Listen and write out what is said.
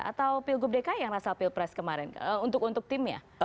atau pilgub dki yang rasa pilpres kemarin untuk timnya